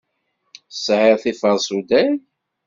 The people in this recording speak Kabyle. Tesɛiḍ tiferṣuday?